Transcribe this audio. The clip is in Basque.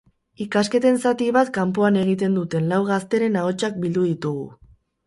Ikasketen zati bat kanpoan egin duten lau gazteren ahotsak bildu ditugu.